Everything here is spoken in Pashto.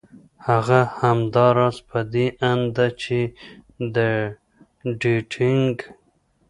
هغه همدا راز په دې اند ده چې د ډېټېنګ